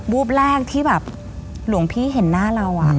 ูบแรกที่แบบหลวงพี่เห็นหน้าเรา